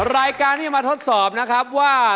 รายการที่จะมาทดสอบนะครับว่า